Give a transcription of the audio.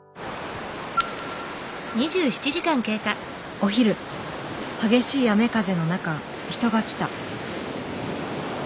お昼激しい雨風の中人が来た。